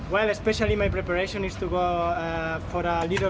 pada dasarnya persiapan saya adalah untuk mengembali untuk sedikit perjalanan